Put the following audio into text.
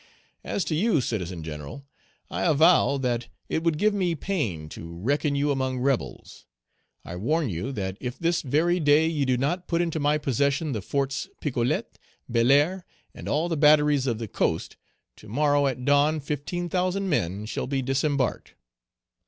As to you, Citizen General, I avow that it would give me pain to reckon you among rebels. I warn you that if this very day you do not put into my possession the Forts Picolet, Belair and all the batteries of the coast, to morrow at dawn fifteen thousand men shall be disembarked.